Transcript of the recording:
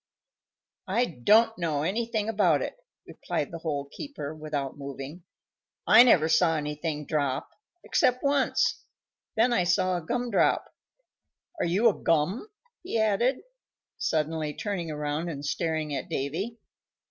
"I don't know anything about it," replied the Hole keeper, without moving. "I never saw anything drop except once. Then I saw a gum drop. Are you a gum?" he added, suddenly turning around and staring at Davy.